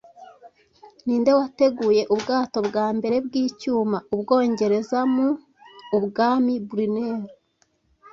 Ninde wateguye ubwato bwa mbere bwicyuma Ubwongereza mu I. Ubwami Brunel